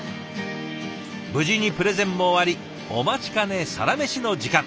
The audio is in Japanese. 無事にプレゼンも終わりお待ちかねサラメシの時間。